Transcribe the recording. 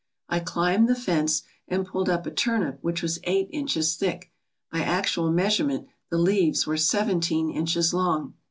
I climbed the fence and pulled up a turnip which was eight inches thick; by actual measurement the leaves were seventeen inches long.